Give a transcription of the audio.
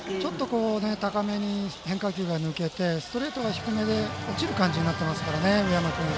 高めに変化球が抜けてストレートが低めで落ちる感じになっていますから上山君。